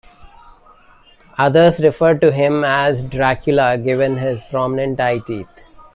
Others refer to him as Dracula, given his prominent eye teeth.